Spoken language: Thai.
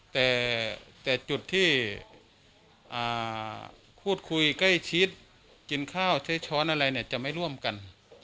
แต่จุดที่พูดคุยใกล้ชิดกินข้าวใช้ช้อนอะไรเนี่ยจะไม่ร่วมกัน